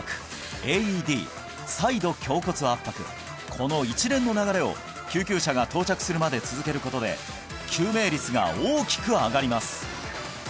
この一連の流れを救急車が到着するまで続けることで救命率が大きく上がります